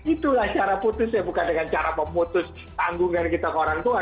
itulah cara putus ya bukan dengan cara memutus tanggungan kita ke orang tua